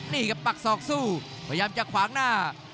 นี่ครับปักศอกสู้พยายามจะขวางหน้า